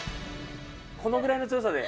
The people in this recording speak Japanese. このぐらいの強さで。